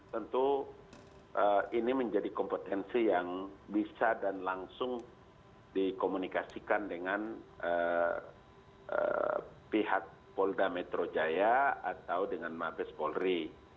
tentu ini menjadi kompetensi yang bisa dan langsung dikomunikasikan dengan pihak polda metro jaya atau dengan mabes polri